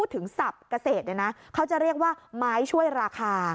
ถึงศัพท์เกษตรเนี่ยนะเขาจะเรียกว่าไม้ช่วยราคา